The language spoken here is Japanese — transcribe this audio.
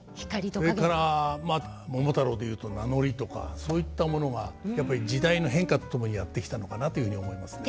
それから「桃太郎」でいうと名乗りとかそういったものがやっぱり時代の変化とともにやって来たのかなというふうに思いますね。